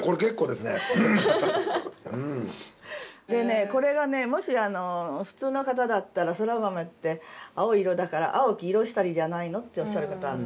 でねこれがもし普通の方だったらそら豆って青い色だから「青き色したり」じゃないのっておっしゃる方。